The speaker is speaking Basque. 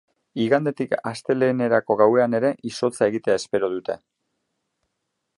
Igandetik astelehenerako gauean ere izotza egitea espero dute.